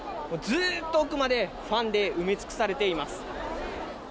ずっと奥までファンで埋め尽くされています。